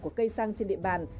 của cây xăng trên địa bàn